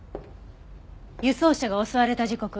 輸送車が襲われた時刻